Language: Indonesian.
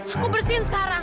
aku bersihin sekarang